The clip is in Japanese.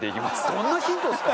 どんなヒントですか？